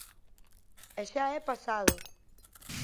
E xa é pasado.